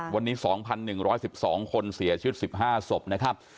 วันนี้๒๑๑๒คนเสียชีวิต๑๕ศพนะครับ